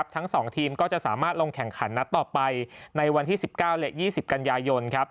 ทั้ง๒ทีมก็จะสามารถลงแข่งขันนัดต่อไปในวันที่๑๙และ๒๐กันยายน